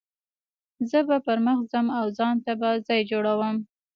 زه به پر مخ ځم او ځان ته به ځای جوړوم.